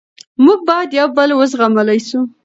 موږ باید یو بل و زغملی سو.